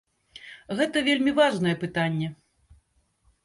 Гэта вельмі важнае пытанне.